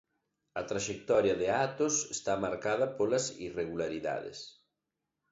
A traxectoria de Atos está marcada polas irregularidades.